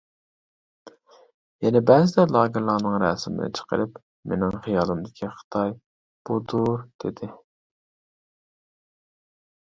يەنە بەزىلەر لاگېرلارنىڭ رەسىمىنى چىقىرىپ: «مېنىڭ خىيالىمدىكى خىتاي بۇدۇر!» دېدى.